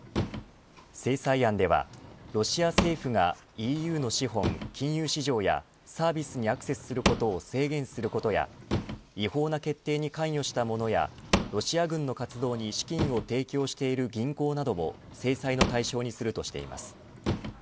制裁案ではロシア政府がＥＵの資本、金融市場やサービスにアクセスすることを制限することや違法な決定に関与したものやロシア軍の活動に資金を提供している銀行なども制裁の対象にするとしています。